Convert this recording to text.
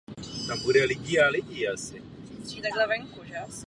Velikým zatčen a uvržen do kláštera.